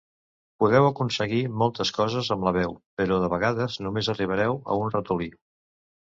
Podeu aconseguir moltes coses amb la veu, però de vegades només arribareu a un ratolí.